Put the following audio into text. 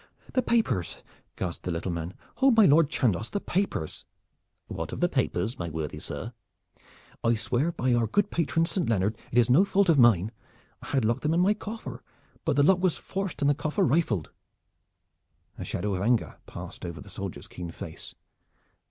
"The papers!" gasped the little man. "Oh, my Lord Chandos, the papers " "What of the papers, my worthy sir?" "I swear by our good patron Saint Leonard, it is no fault of mine! I had locked them in my coffer. But the lock was forced and the coffer rifled." A shadow of anger passed over the soldier's keen face.